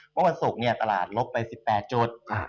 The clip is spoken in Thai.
เมื่อวันศุกร์ตลาดลบไป๑๘จุด